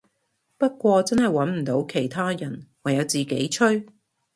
不過真係穩唔到其他人，唯有自己吹